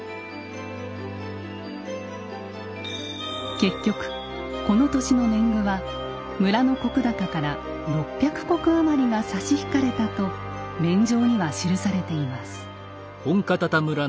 結局この年の年貢は村の石高から６００石余りが差し引かれたと免定には記されています。